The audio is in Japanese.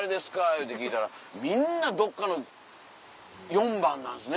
言うて聞いたらみんなどっかの４番なんですね。